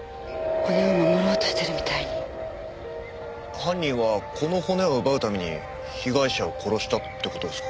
犯人はこの骨を奪うために被害者を殺したって事ですか？